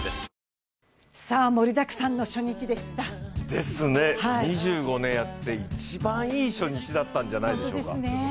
ですね、２５年やって一番いい初日だったんじゃないでしょうか。